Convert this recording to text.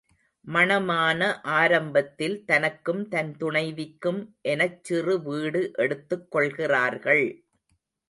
மணமான ஆரம்பத்தில் தனக்கும் தன் துணைவிக்கும் எனச் சிறு வீடு எடுத்துக் கொள்கிறார்கள்.